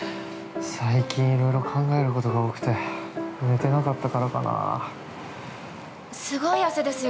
最近、いろいろ考えることが多くて、寝てなかったからかなぁ。